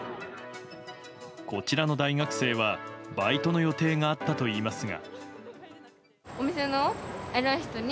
こちらの大学生はバイトの予定があったといいますが。